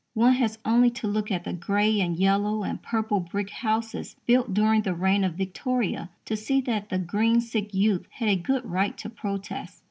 One has only to look at the grey and yellow and purple brick houses built during the reign of Victoria to see that the green sick youth had a good right to protest.